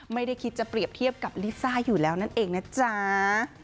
ไม่ได้คิดจะเปรียบเทียบกับลิซ่าอยู่แล้วนั่นเองนะจ๊ะ